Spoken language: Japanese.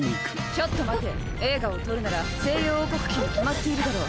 ちょっと待て映画を撮るなら『西洋王国記』に決まっているだろう。